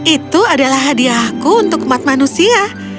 itu adalah hadiahku untuk umat manusia